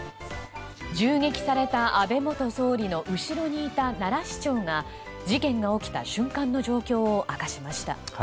銃撃された安倍元総理の後ろにいた奈良市長が事件が起きた瞬間の状況を明かしました。